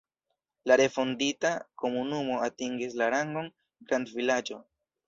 La refondita komunumo atingis la rangon grandvilaĝo.